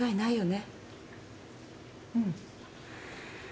うん。